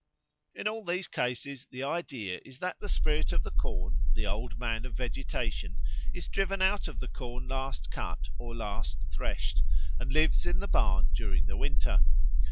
"In all these cases the idea is that the spirit of the corn the Old Man of vegetation is driven out of the corn last cut or last threshed, and lives in the barn during the winter.